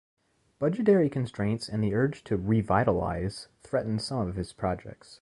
Budgetary constraints and the urge to "revitalize" threaten some of his projects.